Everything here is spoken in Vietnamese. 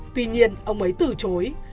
tuy nhiên ông ấy từ chối